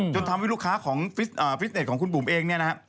จนทำให้ลูกค้าของฟิตเน็ตของคุณบุ๋มเองเนี่ยนะครับ